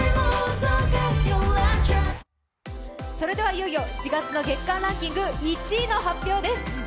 いよいよ４月の月間ランキング１位の発表です。